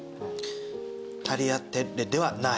タリアテッレではない。